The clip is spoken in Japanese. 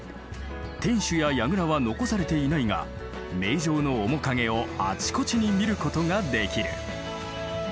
天守や櫓は残されていないが名城の面影をあちこちに見ることができる。